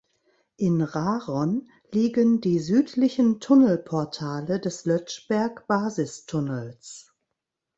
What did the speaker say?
In Raron liegen die südlichen Tunnelportale des Lötschberg-Basistunnels.